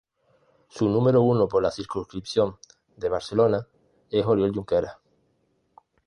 Su número uno por la circunscripción de Barcelona es Oriol Junqueras.